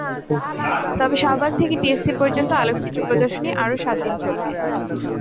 তবে শাহবাগ থেকে টিএসসি পর্যন্ত আলোকচিত্র প্রদর্শনী আরও সাত দিন চলবে।